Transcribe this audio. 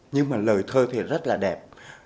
nhưng mà lời thơ thì rất là đẹp